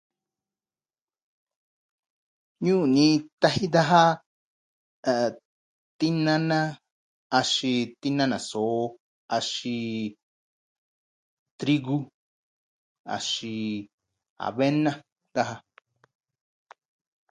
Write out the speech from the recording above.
Ñuu ni taji daja tinana, axin tinana soo, axin trigu, axin avena daja.